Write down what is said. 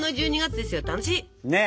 楽しい！ね。